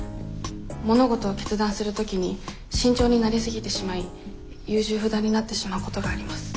物事を決断する時に慎重になりすぎてしまい優柔不断になってしまうことがあります。